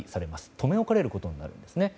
留め置かれることになるんです。